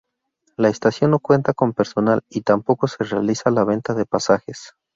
La estación no cuenta con personal y tampoco se realiza la venta de pasajes.